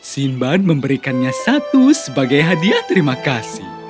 simban memberikannya satu sebagai hadiah terima kasih